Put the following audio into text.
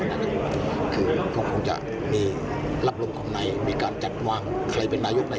ซะ่งมึงจะมีลับลมคมไหนมีการจัดวางใครเป็นนายุค